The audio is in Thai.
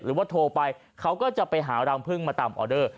หรือว่าโทรไปเขาก็จะไปหารังพึ่งมาตามออเดอร์